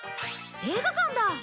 映画館だ！